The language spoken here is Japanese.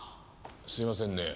すいませんね。